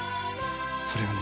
それがね